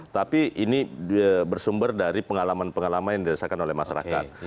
tapi ini bersumber dari pengalaman pengalaman yang dirasakan oleh masyarakat